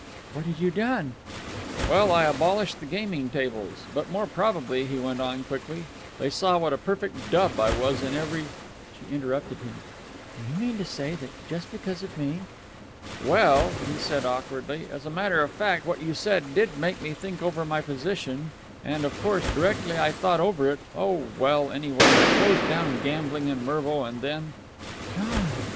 What had you done?" "Well, I abolished the gaming tables. But, more probably," he went on quickly, "they saw what a perfect dub I was in every " She interrupted him. "Do you mean to say that, just because of me ?" "Well," he said awkwardly, "as a matter of fact what you said did make me think over my position, and, of course, directly I thought over it oh, well, anyway, I closed down gambling in Mervo, and then " "John!"